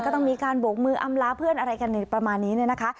ต้องมีการโบกมืออำลาเพื่อนอะไรกันประมาณนี้เนี่ยนะคะ